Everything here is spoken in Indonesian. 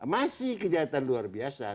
masih kejahatan luar biasa